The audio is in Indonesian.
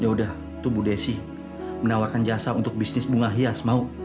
ya udah tuh bu desi menawarkan jasa untuk bisnis bunga hias mau